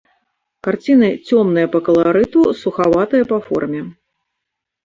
Карціны цёмныя па каларыту, сухаватыя па форме.